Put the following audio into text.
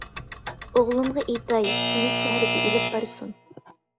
-ئوغلۇمغا ئېيتاي، سېنى شەھەرگە ئېلىپ بارسۇن.